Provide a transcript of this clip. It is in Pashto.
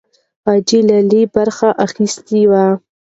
حاجي لالی برخه اخیستې وه.